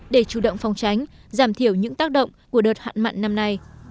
để chủ động phòng tránh giảm thiểu những tác động của đợt hạn mặn năm nay